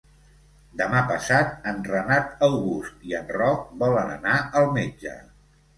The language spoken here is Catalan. Demà passat en Renat August i en Roc volen anar al metge.